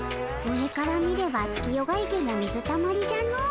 上から見れば月夜が池も水たまりじゃの。